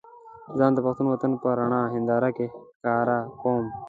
ځان د پښتون وطن په رڼه هينداره کې ښکاره کوم.